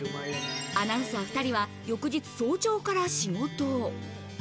アナウンサー２人は翌日早朝から仕事。